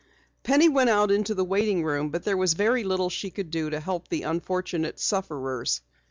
Penny went out into the waiting room but there was very little she could do to help the unfortunate sufferers.